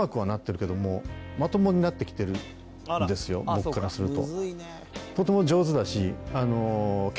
僕からすると。